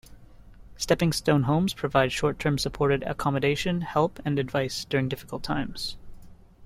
Stepping Stone Homes provide short-term supported accommodation, help and advice during difficult times.